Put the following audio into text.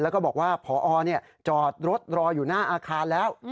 แล้วก็บอกว่าพอจอดรถรออยู่หน้าอาคารแล้ว